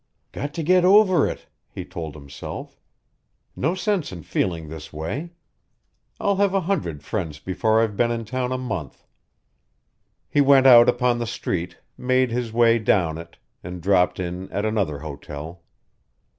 "Got to get over it," he told himself. "No sense in feeling this way. I'll have a hundred friends before I've been in town a month!" He went out upon the street, made his way down it, and dropped in at another hotel.